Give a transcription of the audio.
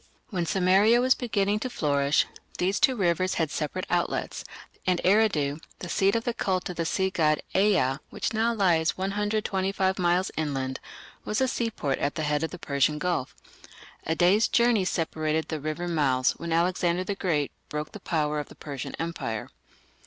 When Sumeria was beginning to flourish, these two rivers had separate outlets, and Eridu, the seat of the cult of the sea god Ea, which now lies 125 miles inland, was a seaport at the head of the Persian Gulf. A day's journey separated the river mouths when Alexander the Great broke the power of the Persian Empire.